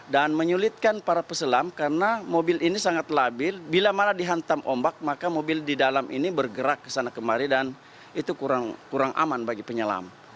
dan menyulitkan para peselam karena mobil ini sangat labil bila malah dihantam ombak maka mobil di dalam ini bergerak ke sana kemari dan itu kurang aman bagi penyelam